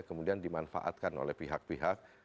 kemudian dimanfaatkan oleh pihak pihak